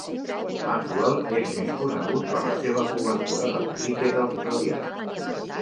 Maxwell és més conegut per la seva cobertura del criquet australià.